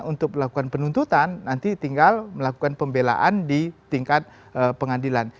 untuk melakukan penuntutan nanti tinggal melakukan pembelaan di tingkat pengadilan